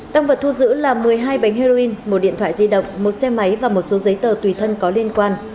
tăng vật thu giữ là một mươi hai bánh heroin một điện thoại di động một xe máy và một số giấy tờ tùy thân có liên quan